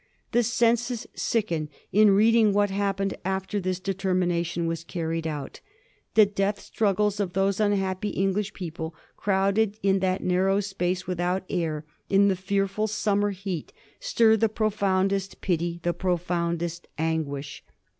The senses sicken in reading what happened after this deter mination was carried out. The death struggles of those unhappy English people crowded in that narrow space, without air, in the fearful sunmier heat, stir the profound est pity, the profoundest anguish.